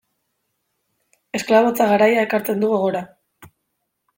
Esklabotza garaia ekartzen du gogora.